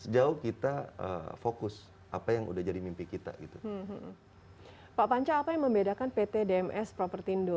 jauh kita fokus apa yang udah jadi mimpi kita gitu pak panca apa yang membedakan pt dms propertindo